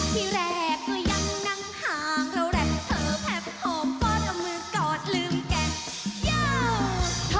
ที่แรกก็ยังนั่งห่างเราแหละเธอแพบห่อบบอดเอามือกอดลืมแกยูววว